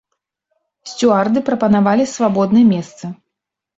Сцюарды прапанавалі свабодныя месцы.